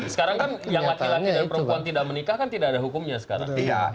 sekarang kan yang laki laki dan perempuan tidak menikah kan tidak ada hukumnya sekarang